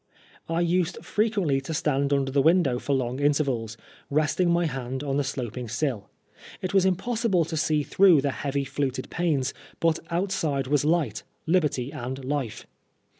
I used frequently to stand under the window for long intervals, resting my hand on the sloping sill. It was impossible to see through the heavy fluted panes, but outside was light, liberty and life.